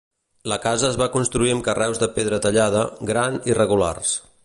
La casa es va construir amb carreus de pedra tallada, gran i regulars.